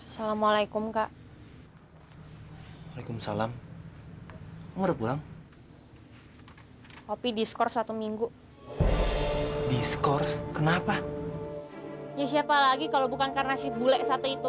soalnya pasti bentar lagi habis semua